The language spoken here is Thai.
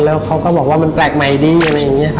แล้วเขาก็บอกว่ามันแปลกใหม่ดี